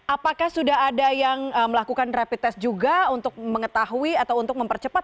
apakah sudah ada yang melakukan rapid test juga untuk mengetahui atau untuk mempercepat